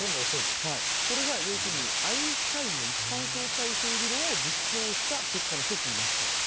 これが要するにアインシュタインの一般相対性理論を実証した結果の１つになったと。